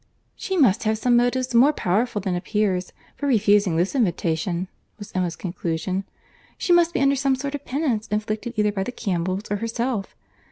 "She must have some motive, more powerful than appears, for refusing this invitation," was Emma's conclusion. "She must be under some sort of penance, inflicted either by the Campbells or herself.